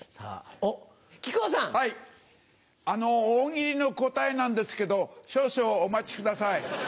大喜利の答えなんですけど少々お待ちください。